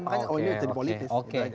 makanya oh ini jadi politis